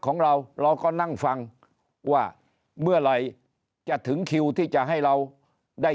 ของเราเราก็นั่งฟังว่าเมื่อไหร่จะถึงคิวที่จะให้เราได้